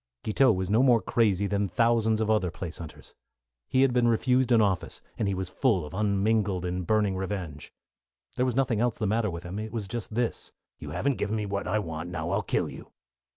Guiteau was no more crazy than thousands of other place hunters. He had been refused an office, and he was full of unmingled and burning revenge. There was nothing else the matter with him. It was just this: "You haven't given me what I want; now I'll kill you."